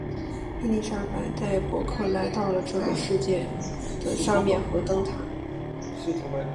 伊丽莎白带伯克来到了这个世界的上面和灯塔。